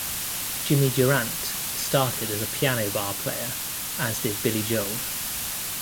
Jimmy Durante started as a piano bar player, as did Billy Joel.